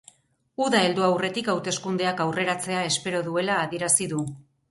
Uda heldu aurretik hauteskundeak aurreratzea espero duela adierazi du.